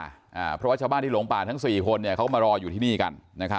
เพราะว่าชาวบ้านที่หลงป่าทั้ง๔คนเขามารออยู่ที่นี่กัน